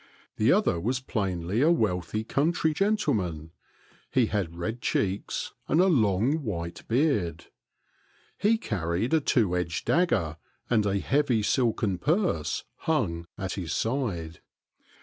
The other was plainly a wealthy country gentleman. He had red cheeks and a long white beard. He carried a two edged dagger, and a heavy silken purse hung at his side.